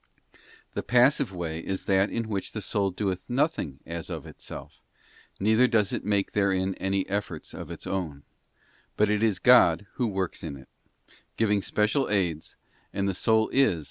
The passive way is that in which the soul doeth nothing as of itself, neither does it make therein any efforts of its own; but it is God who works in it, giving special aids, and the soul is, as it were, * 2 Cor, xii.